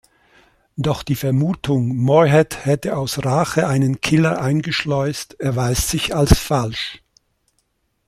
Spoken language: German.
Doch die Vermutung, Morehead hätte aus Rache einen Killer eingeschleust, erweist sich als falsch.